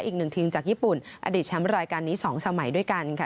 อีกหนึ่งทีมจากญี่ปุ่นอดีตแชมป์รายการนี้๒สมัยด้วยกันค่ะ